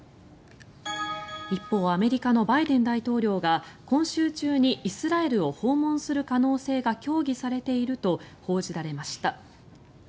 一方、アメリカのバイデン大統領が今週中にイスラエルを訪問する可能性が協議されていると報じられました。